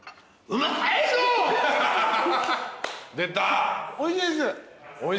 うまい。